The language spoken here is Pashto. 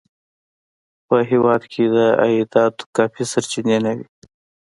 په هېواد کې د عایداتو کافي سرچینې نه وې.